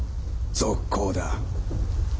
続行だ！